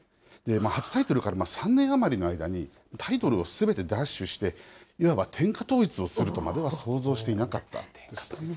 初タイトルから３年余りの間に、タイトルをすべて奪取して、いわば天下統一をするとまでは想像していなかったです。